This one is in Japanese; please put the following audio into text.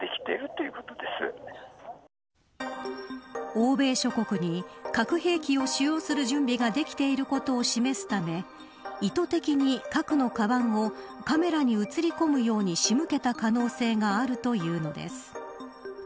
欧米諸国に核兵器を使用する準備ができていることを示すため意図的に、核のカバンをカメラに映り込むように仕向けた可能性があるというのです。